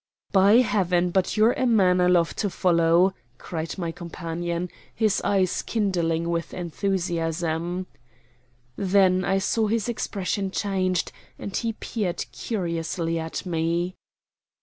"By Heaven, but you're a man I love to follow!" cried my companion, his eyes kindling with enthusiasm. Then I saw his expression change, and he peered curiously at me.